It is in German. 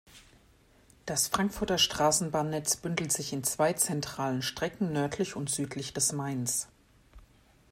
Das Frankfurter Straßenbahnnetz bündelt sich in zwei zentralen Strecken nördlich und südlich des Mains.